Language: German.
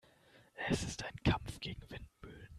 Es ist ein Kampf gegen Windmühlen.